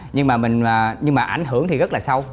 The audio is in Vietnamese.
nhưng mà mình nhưng mà ảnh hưởng thì rất là sâu